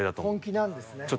本気なんですね。